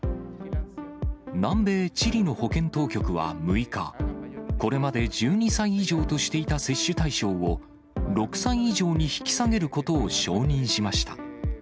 南米チリの保健当局は６日、これまで１２歳以上としていた接種対象を、６歳以上に引き下げることを承認しました。